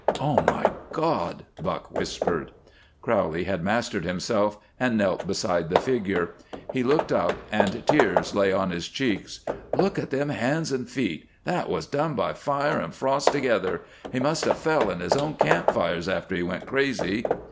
"Oh, my God!" Buck whispered. Crowley had mastered himself and knelt beside the figure. He looked up and tears lay on his cheeks. "Look at them hands and feet! That was done by fire and frost together. He must have fell in his own camp fires after he went crazy."